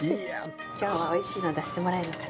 今日はおいしいの出してもらえるのかしら？